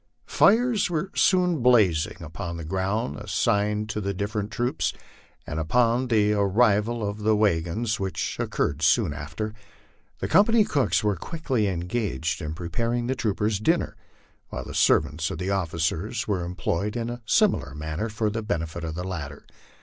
Fires were soon blazing upon the grounds assigned to the different troops, and upon the arrival of the wag ons, which occurred soon after, the company cooks were quickly engaged in preparing the troopers' dkmer, while the servants of the officers were employed in a similar manner for the benefit of the latter.